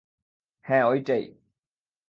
হ্যাঁ, ঐটাই!